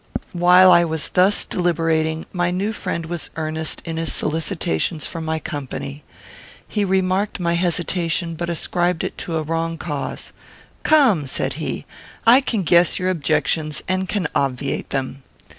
While I was thus deliberating, my new friend was earnest in his solicitations for my company. He remarked my hesitation, but ascribed it to a wrong cause. "Come," said he, "I can guess your objections and can obviate them.